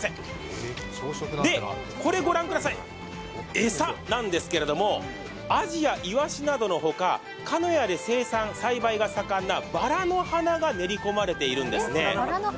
これ、ご覧ください、餌なんですけれどもあじやいわしなどのほか、鹿屋で生産が盛んなばらの花が練りこまれているんですね。